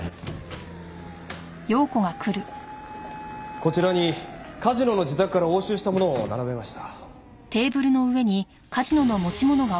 こちらに梶野の自宅から押収したものを並べました。